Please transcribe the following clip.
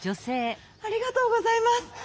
ありがとうございます。